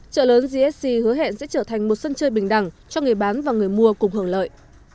trợ lớn gsc hứa hẹn sẽ trở thành một sân chơi bình đẳng cho người bán và người mua cùng hưởng lợi